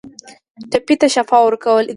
ټپي ته شفا ورکول د انسانیت نښه ده.